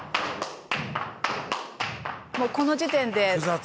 「もうこの時点で」「複雑！」